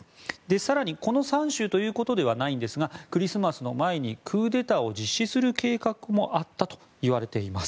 更に、この３州ということではないんですがクリスマスの前にクーデターを実施する計画もあったといわれています。